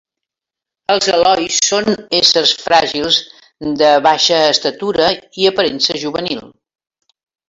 Els elois són éssers fràgils, de baixa estatura i aparença juvenil.